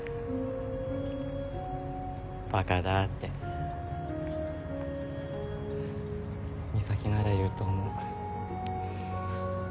バカだって美咲なら言うと思う。